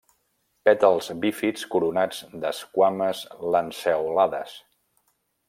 Pètals bífids coronats d'esquames lanceolades.